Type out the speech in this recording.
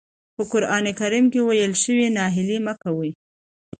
په قرآن کريم کې ويل شوي ناهيلي مه کوئ.